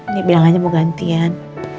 dia bilang aja mau gantian